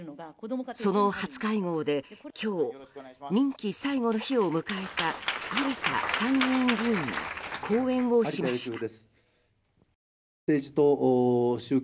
その初会合で今日、任期最後の日を迎えた有田参議院議員が講演をしました。